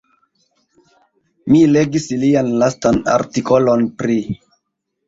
Mi legis lian lastan artikolon pri.